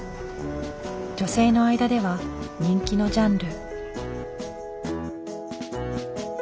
女性の間では人気のジャンル。